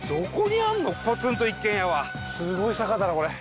すごい坂だなこれ。